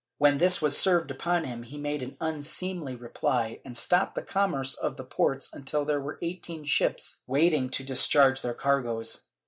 When this was served upon him he made an unseemly reply and stopped the commerce of the port until there were eighteen ships waiting to discharge their cargoes.